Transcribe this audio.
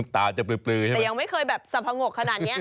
ตาจะปลื๊บปลื๊บใช่ไหมแต่ยังไม่เคยแบบสับปะงบขนาดเนี้ย